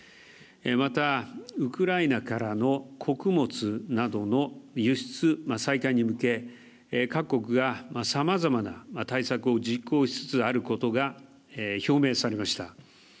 また、ウクライナからの穀物などの輸出再開に向け各国がさまざまな対策を実行しつつあることが表明されました。